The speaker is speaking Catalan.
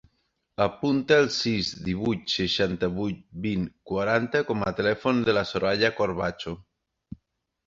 Apunta el sis, divuit, seixanta-vuit, vint, quaranta com a telèfon de la Soraya Corbacho.